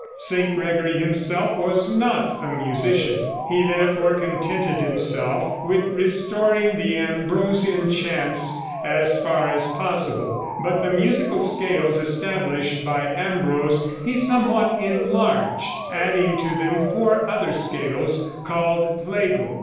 St. Gregory himself was not a musician. He therefore contented himself with restoring the Ambrosian chants as far as possible; but the musical scales established by Ambrose he somewhat enlarged, adding to them four other scales called plagal.